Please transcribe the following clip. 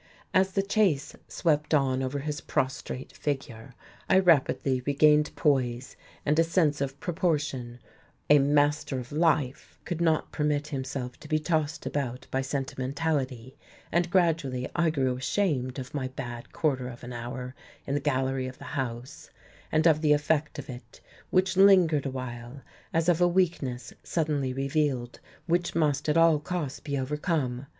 As the chase swept on over his prostrate figure I rapidly regained poise and a sense of proportion; a "master of life" could not permit himself to be tossed about by sentimentality; and gradually I grew ashamed of my bad quarter of an hour in the gallery of the House, and of the effect of it which lingered awhile as of a weakness suddenly revealed, which must at all costs be overcome.